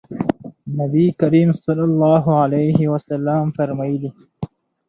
نبي کریم صلی الله علیه وسلم فرمایلي: